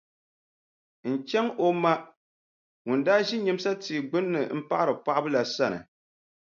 N-chaŋ o ma ŋun daa ʒi nyimsa tia gbunni m-paɣiri paɣibu la sani.